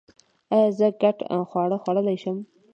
ایا زه ګډ خواړه خوړلی شم؟